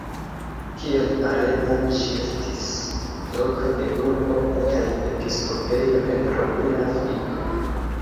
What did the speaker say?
Kiel Arena ĝi estis loko de urbo kaj episkopejo en Romia Afriko.